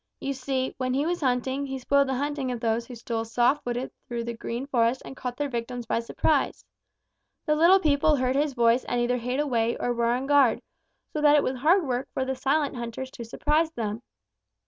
You see, when he was hunting, he spoiled the hunting of those who stole soft footed through the Green Forest and caught their victims by surprise. The little people heard his voice and either hid away or were on guard, so that it was hard work for the silent hunters to surprise them.